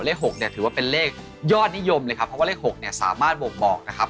เลข๖เนี่ยถือว่าเป็นเลขยอดนิยมเลยครับเพราะว่าเลข๖เนี่ยสามารถบ่งบอกนะครับ